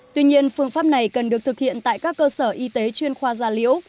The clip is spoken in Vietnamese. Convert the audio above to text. tuy nhiên phương pháp này cần được thực hiện tại các cơ sở y tế chuyên khoa gia liễu